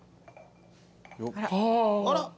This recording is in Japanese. あら！